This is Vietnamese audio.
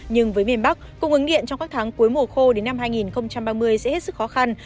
nhưng với miền bắc cung ứng điện trong các tháng cuối mùa khô đến năm hai nghìn ba mươi sẽ hết sức khó khăn